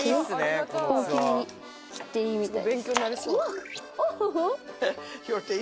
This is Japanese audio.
大きめに切っていいみたい。